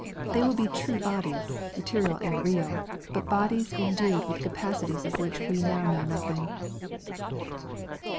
They will be true bodies, material and real, but bodies en dued witli capacities of which now we know nothing.